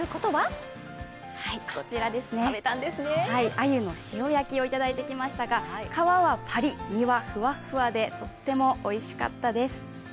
鮎の塩焼きをいただいてきましたが皮はパリッ、身はフワフワでとってもおいしかったです。